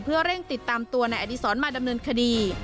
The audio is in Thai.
เพื่อเร่งติดตามตัวนายอดีศรมาดำเนินคดี